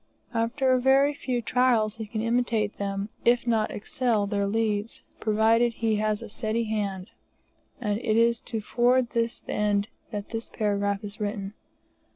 After very few trials he can imitate them, if not excel their Leeds, provided he has a steady hand. And it is to forward this end that this paragraph is written.